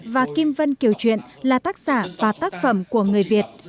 và kim vân kiều chuyện là tác giả và tác phẩm của người việt